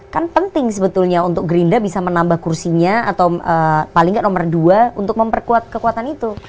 kan penting sebetulnya untuk gerindra bisa menambah kursinya atau paling nggak nomor dua untuk memperkuat kekuatan itu